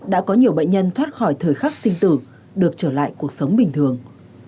đã có nhiều bệnh nhân thoát khỏi thời khắc sinh tử được trở lại cuộc sống bình thường